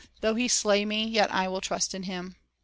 "Though He slay me, yet will I trust in Him."